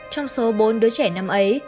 trong số bốn đứa trẻ năm ấy